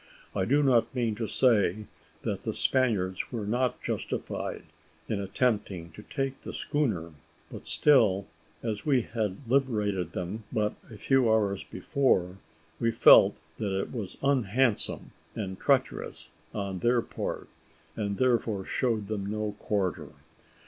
I do not mean to say that the Spaniards were not justified in attempting to take the schooner; but still, as we had liberated them but a few hours before, we felt that it was unhandsome and treacherous on their part, and therefore showed them no quarter.